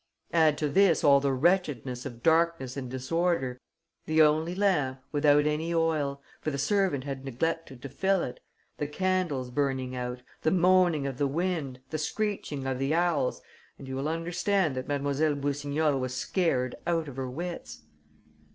Add to this all the wretchedness of darkness and disorder, the only lamp, without any oil, for the servant had neglected to fill it, the candles burning out, the moaning of the wind, the screeching of the owls, and you will understand that Mlle. Boussignol was scared out of her wits.